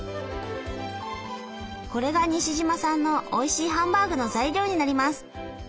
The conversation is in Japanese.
これが西島さんのおいしいハンバーグの材料になります。